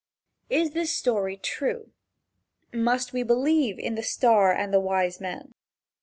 Is this story true? Must we believe in the star and the wise men?